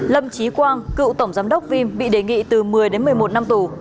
lâm trí quang cựu tổng giám đốc vim bị đề nghị từ một mươi đến một mươi một năm tù